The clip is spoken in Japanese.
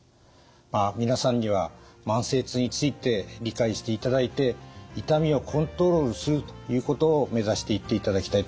皆さんには慢性痛について理解していただいて痛みをコントロールするということをめざしていっていただきたいと思います。